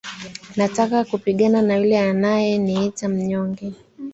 Nataka kupigana na yule anaye niita mnyonge.